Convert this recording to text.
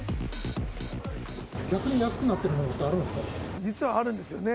逆に安くなっているものってあるんですか。